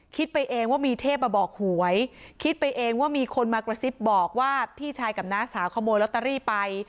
คิดไปเองว่ามีเทพมาบอกหวยคิดไปเองว่ามีคนมากระซิบบอกว่าพี่ชายกับน้าสาวขโมยลอตเตอรี่ไป